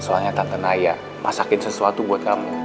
soalnya tante naya masakin sesuatu buat kamu